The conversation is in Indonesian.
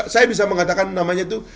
saya bisa mengatakan namanya itu